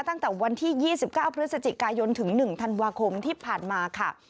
ตั้งแต่วันที่๒๙พฤศจิกายนถึง๑ธันวาคมที่ผ่านมาค่ะ